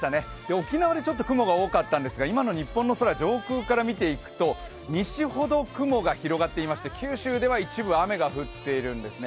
沖縄でちょっと雲が多かったんですが、今の日本の空、上空から見ていくと西ほど雲が広がっていまして九州では一部雨が降っているんですね。